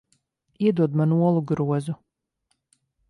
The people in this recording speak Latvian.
Iedod man olu grozu.